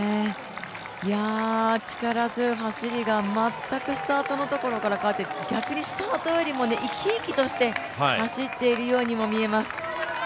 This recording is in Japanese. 力強い走りが全くスタートのところから変わっていない、逆にスタートよりも生き生きとして走っているようにも見えます。